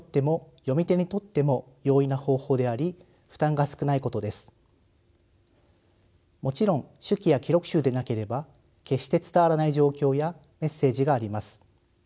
１つ目の意義と可能性はもちろん手記や記録集でなければ決して伝わらない状況やメッセージがあります。